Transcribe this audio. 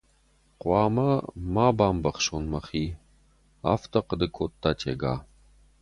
— Хъуамӕ ма бамбӕхсон мӕхи, — афтӕ ахъуыды кодта Тега.